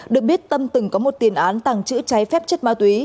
được biết tâm từng có một tiền án tàng chữ cháy phép chất ma túy